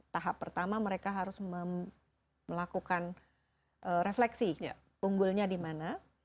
tahap pertama mereka harus melakukan refleksi unggulnya di mana